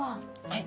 はい。